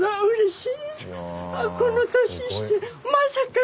うれしい。